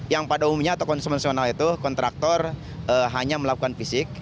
yang pada umumnya atau konsumensional itu kontraktor hanya melakukan fisik